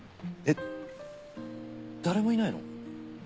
えっ誰もいないの？